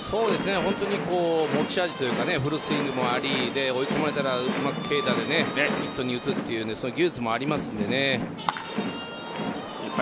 本当に持ち味というかフルスイングもあり追い込まれたら軽打でヒットを打つという引っ張ります。